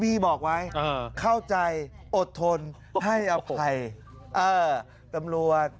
พี่บอกไว้เข้าใจอดทนให้อภัยเออตำรวจ